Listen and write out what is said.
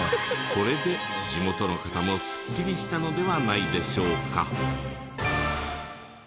これで地元の方もスッキリしたのではないでしょうか。